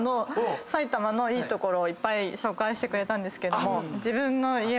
埼玉のいいところいっぱい紹介してくれたんですけども。